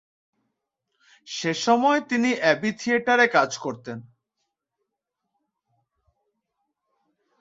সেসময়ে তিনি অ্যাবি থিয়েটারে কাজ করতেন।